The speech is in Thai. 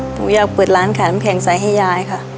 หนูอยากเปิดร้านแขนแข่งใสให้ยายค่ะ